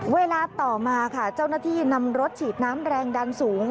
เวลาต่อมาค่ะเจ้าหน้าที่นำรถฉีดน้ำแรงดันสูง